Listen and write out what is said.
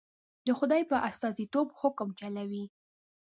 د خدای په استازیتوب حکم چلوي.